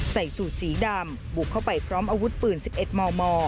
ใส่สูตรสีดำบุกเข้าไปพร้อมอาวุธปืน๑๑มม